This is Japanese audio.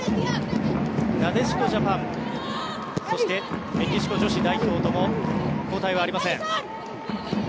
なでしこジャパンそして、メキシコ女子代表とも交代はありません。